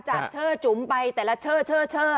จากเชื่อจุ๋มไปแต่ละเชื่อเชื่อเชื่อ